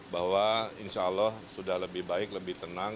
bahwa insya allah sudah lebih baik lebih tenang